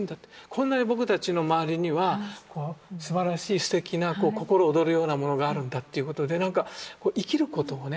こんなに僕たちの周りにはすばらしいすてきなこう心躍るようなものがあるんだっていうことで生きることをね